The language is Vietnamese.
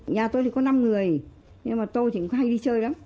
nhà tôi thì có năm người nhưng mà tôi thì cũng hay đi chơi lắm